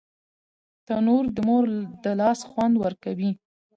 تنور د مور د لاس خوند ورکوي